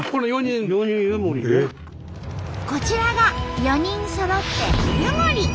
こちらが４人そろって湯守！